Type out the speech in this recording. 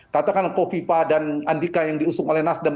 katakan ko fifa dan andika yang diusung oleh nasdem